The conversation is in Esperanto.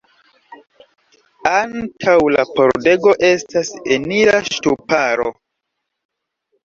Antaŭ la pordego estas enira ŝtuparo.